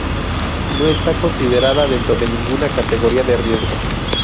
No está considerada dentro de ninguna categoría de riesgo.